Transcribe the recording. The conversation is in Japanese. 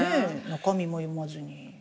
中身も読まずに。